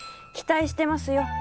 期待してますよ。